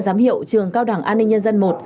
giám hiệu trường cao đẳng an ninh nhân dân i